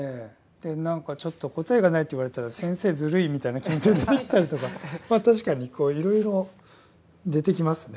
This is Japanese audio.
何かちょっと答えがないって言われたら先生ずるいみたいな気持ちになったりとか確かにいろいろ出てきますね。